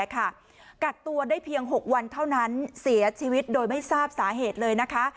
กักตัวได้เพียง๖วันเท่านั้นเสียชีวิตโดยไม่ทราบสาเหตุเลยนะคะ